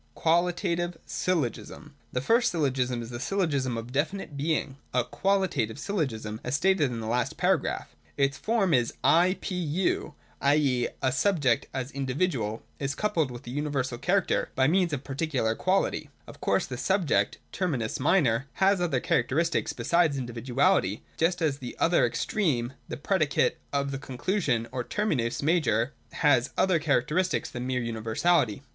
(a) Qualitative Syllogism. 183.] The first syllogism is a syllogism of definite being, — a Qualitative Syllogism, as stated in the last paragraph. Its form (i) is I — P — U : i. e. a subject as Individual is coupled (concluded) with a Universal character by means of a (Particular) quality. Of course the subject {terminus minor) has other characteristics besides individuality, just as the other extreme (the predicate of the conclusion, or terminus ■major) has other characteristics than mere universality.